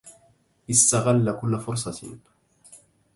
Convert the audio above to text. استغلّ كل فرصة.